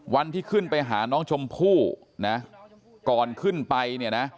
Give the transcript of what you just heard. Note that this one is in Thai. วันที่ขึ้นไปหาน้องชมพู่ก่อนขึ้นไป